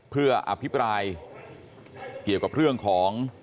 เพื่ออภิปรายเกี่ยวกับเรื่องของ